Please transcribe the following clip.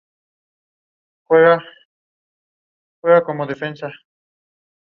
Bodden Town were the defending champions from the previous season.